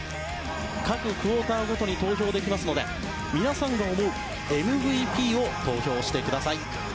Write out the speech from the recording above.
各クオーターごとに投票できますので皆さんが思うＭＶＰを投票してください。